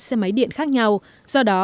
xe máy điện khác nhau do đó